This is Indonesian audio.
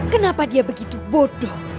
kenapa dia begitu bodoh